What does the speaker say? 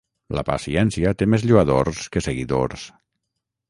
La paciència té més lloadors que seguidors.